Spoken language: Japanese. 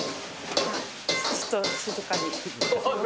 ちょっと静かに。